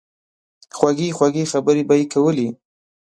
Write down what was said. خوږې خوږې خبرې به ئې کولې